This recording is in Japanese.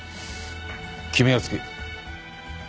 君がつけ。